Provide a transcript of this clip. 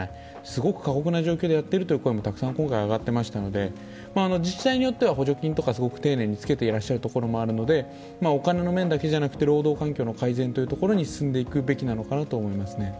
すごく過酷な状況でやっているという声も今回上がっていましたので、自治体によっては補助金とかすごく丁寧につけていらっしゃるところもあるのでお金の面だけじゃなくて労働環境の改善という面にも進んでいくべきなのかなと思いますね。